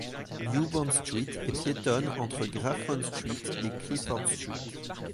New Bond Street est piétonne entre Grafton Street et Clifford Street.